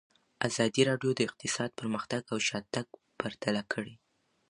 ازادي راډیو د اقتصاد پرمختګ او شاتګ پرتله کړی.